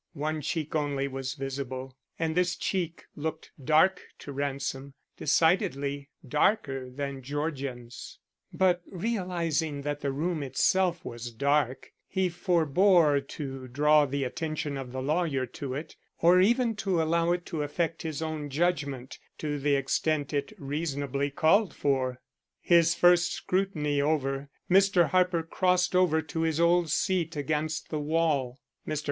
One cheek only was visible, and this cheek looked dark to Ransom, decidedly darker than Georgian's; but realizing that the room itself was dark, he forbore to draw the attention of the lawyer to it, or even to allow it to affect his own judgment to the extent it reasonably called for. His first scrutiny over, Mr. Harper crossed over to his old seat against the wall. Mr.